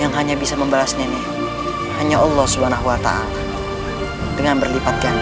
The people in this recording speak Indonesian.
yang hanya bisa membalasnya nih hanya allah swt dengan berlipat ganda